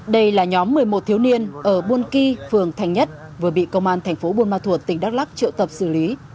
đây là nhóm một mươi một thiếu niên ở buôn kỳ phường thành nhất vừa bị công an thành phố buôn ma thuột tỉnh đắk lắc triệu tập xử lý